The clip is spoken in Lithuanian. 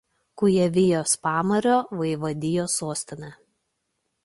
Kujavijos Pamario vaivadijos sostinė.